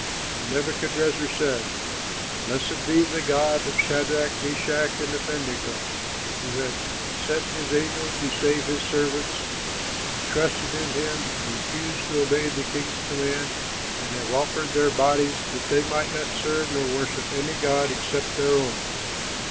And Nebuchadrezzar said, "Blessed be the God of Shadrach, Meshach, and Abednego, who has sent his angel to save his servants who trusted in him and refused to obey the king's command and have offered their bodies, that they might not serve nor worship any god except their own.